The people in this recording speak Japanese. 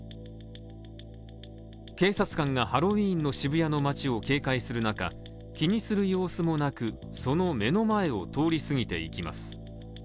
警察官がハロウィーンの渋谷の街を警戒する中、気にする様子もなくその目の前を通り過ぎていきます。